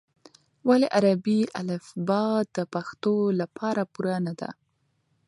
ولې عربي الفبې د پښتو لپاره پوره نه ده؟